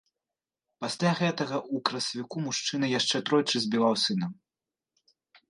Пасля гэтага ў красавіку мужчына яшчэ тройчы збіваў сына.